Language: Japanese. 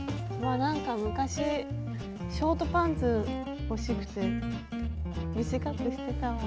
あなんか昔ショートパンツ欲しくて短くしてたわ。